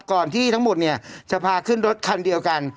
ก่อนที่ทั้งหมดเนี่ยจะพาขึ้นรถคันเดียวกัน